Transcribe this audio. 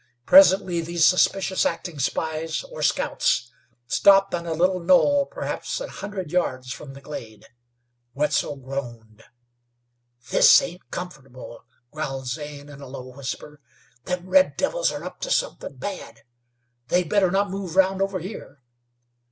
Presently these suspicious acting spies, or scouts, stopped on a little knoll perhaps an hundred yards from the glade. Wetzel groaned. "This ain't comfortable," growled Zane, in a low whisper. "Them red devils are up to somethin' bad. They'd better not move round over here."